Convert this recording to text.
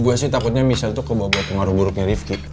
gue sih takutnya michelle itu kebawa bawa pengaruh buruknya rifki